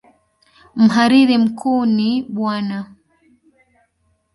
Mhariri mkuu ni Bw.